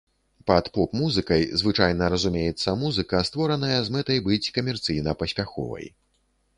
Пад поп-музыкай звычайна разумеецца музыка, створаная з мэтай быць камерцыйна паспяховай.